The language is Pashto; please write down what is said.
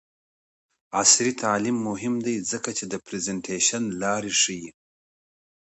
عصري تعلیم مهم دی ځکه چې د پریزنټیشن لارې ښيي.